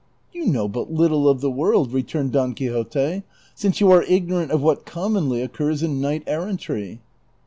"You know but little of the world," returned Don Quixote, " since you are ignorant of what commonly occurs in knight errantry."